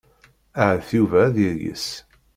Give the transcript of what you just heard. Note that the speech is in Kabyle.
Ahat Yuba ad yayes.